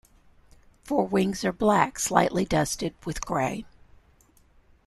Forewings are black slightly dusted with grey.